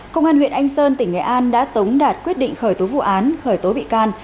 công an huyện anh sơn tỉnh nghệ an đã tống đạt quyết định khởi tố vụ án khởi tố bị can